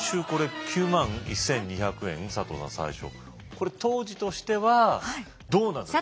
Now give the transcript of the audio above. これ当時としてはどうなんですか？